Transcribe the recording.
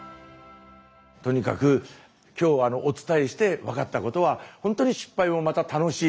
とにかく今日お伝えして分かったことはほんとに失敗もまた楽しい。